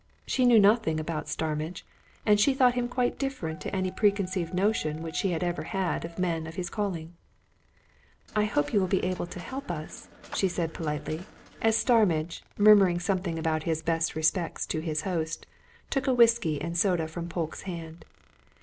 She knew nothing about Starmidge, and she thought him quite different to any preconceived notion which she had ever had of men of his calling. "I hope you'll be able to help us," she said politely, as Starmidge, murmuring something about his best respects to his host, took a whisky and soda from Polke's hand.